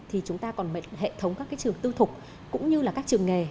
thì chúng ta còn hệ thống các trường tư thục cũng như là các trường nghề